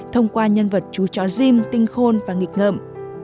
thông qua nhân vật chú chó diêm tinh khôn và nghịch ngợm